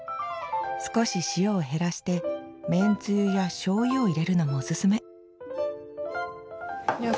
少し塩を減らしてめんつゆや醤油を入れるのもおすすめいや